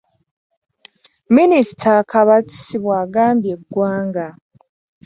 Minisita Kabatsi bw'agambye eggwanga.